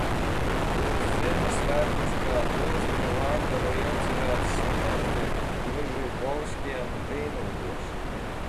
Šos Ziemassvētkus kā groziņ vakaru iecerēts svinēt pie Grižibovskiem Tīnūžos.